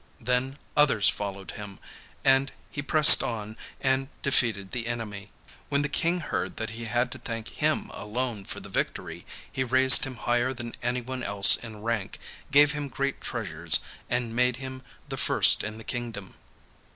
Then others followed him, and he pressed on and defeated the enemy. When the King heard that he had to thank him alone for the victory, he raised him higher than anyone else in rank, gave him great treasures and made him the first in the kingdom.